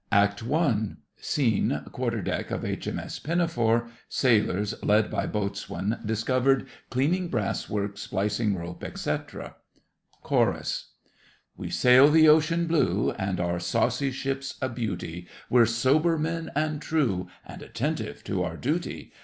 ACT I SCENE—Quarter deck of H.M.S. Pinafore. Sailors, led by BOATSWAIN, discovered cleaning brasswork, splicing rope, etc. CHORUS We sail the ocean blue, And our saucy ship's a beauty; We're sober men and true, And attentive to our duty.